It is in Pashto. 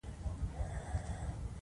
هغه خلکو ته د مطالعې بلنه ورکړه.